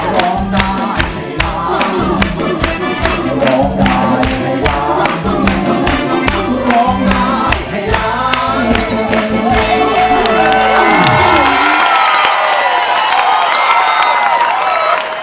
ร้องได้ครับ